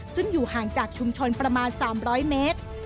ซึ่งอยู่ห่างจากชุมชนประมาณ๓๐๐เมตร